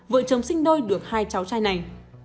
vợ chồng sinh đôi được hai cháu trai này